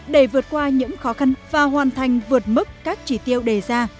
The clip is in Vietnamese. để vượt qua những khó khăn và hoàn thành vượt mức các chỉ tiêu đề ra